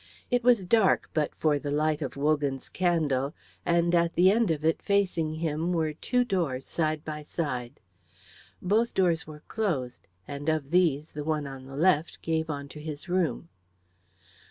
It was dark but for the light of Wogan's candle, and at the end of it facing him were two doors side by side. Both doors were closed, and of these the one on the left gave onto his room.